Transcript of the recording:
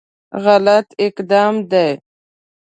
غلط اقدام دی.